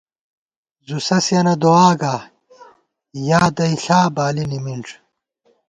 زُوسَسِینہ دُعا گا، یادئیݪا بالی نِمِنݮ